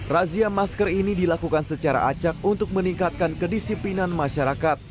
razia masker ini dilakukan secara acak untuk meningkatkan kedisiplinan masyarakat